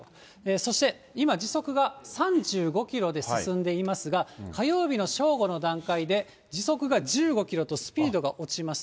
そして今、時速が３５キロで進んでいますが、火曜日の正午の段階で、時速が１５キロとスピードが落ちます。